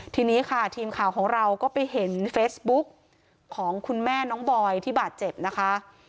ทีนี้ค่ะทีมข่าวของเราก็ไปเห็นเฟซบุ๊กของคุณแม่น้องบอยที่บาดเจ็บนะคะ